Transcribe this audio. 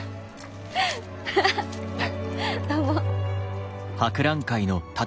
どうも。